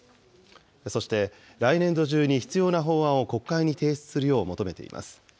そして来年度中に必要な法案を国会に提出するよう求めています。